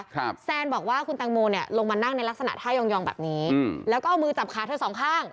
แซนบอกว่าคุณแตงโมเนี่ยลงมานั่งในลักษณะท่ายองยองแบบนี้อืมแล้วก็เอามือจับขาเธอสองข้าง